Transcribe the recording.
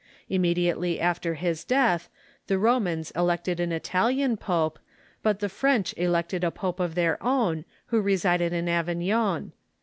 Immediately after his death the Romans elected an Italian pope, but the French elected a pope of their own, who resided in Avignon.